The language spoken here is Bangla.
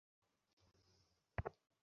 তিনি তা লিখে রাখতেন।